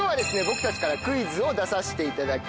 僕たちからクイズを出させていただきます。